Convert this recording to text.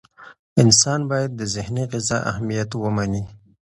انسان باید د ذهني غذا اهمیت ومني.